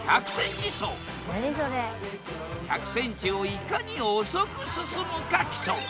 １００ｃｍをいかに遅く進むか競う。